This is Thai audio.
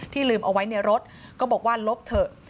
ลืมเอาไว้ในรถก็บอกว่าลบเถอะ